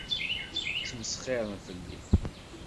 Ttmesxiṛen fell-i.